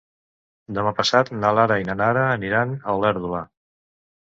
Demà passat na Lara i na Nara aniran a Olèrdola.